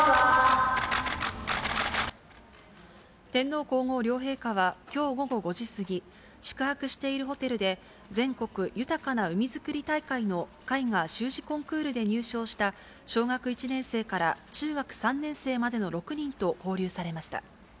天皇皇后両陛下はきょう午後５時過ぎ、宿泊しているホテルで、全国豊かな海づくり大会の絵画・習字コンクールで入賞した、小学１年生から中学３年生までの６人と交流されました。